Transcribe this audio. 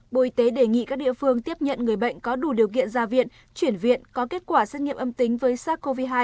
bộ y tế đề nghị các địa phương tiếp nhận người bệnh có đủ điều kiện ra viện chuyển viện có kết quả xét nghiệm âm tính với sars cov hai